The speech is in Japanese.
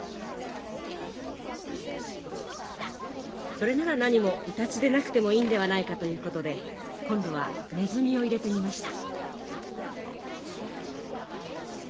それならなにもイタチでなくてもいいんではないかということで今度はネズミを入れてみました。